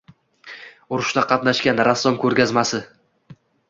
Urushda qatnashgan rassom ko‘rgazmasi